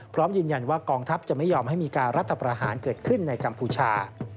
พร้อมยืนยันว่ากองทัพจะไม่ยอมให้มีการรัฐประหารเกิดขึ้นในกัมพูชา